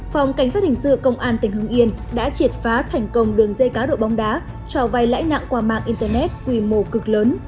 phòng cảnh sát hình sự công an tỉnh hưng yên đã triệt phá thành công đường dây cá độ bóng đá cho vai lãi nặng qua mạng internet quy mô cực lớn